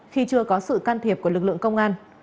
khi chưa có sự can thiệp của lực lượng công an